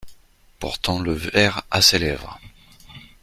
Portant le verre à ses lèvres.